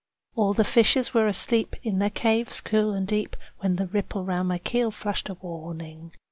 All the fishes were asleep in their caves cool and deep, When the ripple round my keel flashed a warning.